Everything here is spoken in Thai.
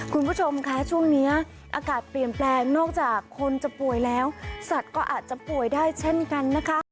คุณผู้ชมคะช่วงนี้อากาศเปลี่ยนแปลงนอกจากคนจะป่วยแล้วสัตว์ก็อาจจะป่วยได้เช่นกันนะคะ